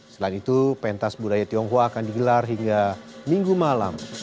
selain itu pentas budaya tionghoa akan digelar hingga minggu malam